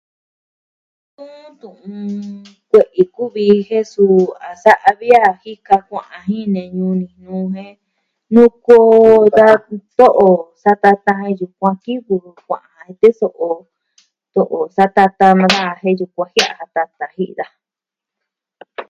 Su detun kue'i kuvi jen su a sa'a vi a jika kua'an jin nee ñuu ni jen nuu koo da to'o satatan jen yukuan kivɨ jɨ a teso'o to'o satatan maa jen yukuan jia'an a tatan jin daja.